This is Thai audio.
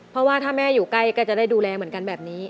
เพราะว่าถ้าแม่อยู่ใกล้ก็จะได้ดูแลเหมือนกันแบบนี้